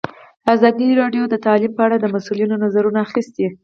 ازادي راډیو د تعلیم په اړه د مسؤلینو نظرونه اخیستي.